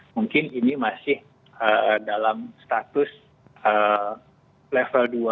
mungkin ini masih dalam status level dua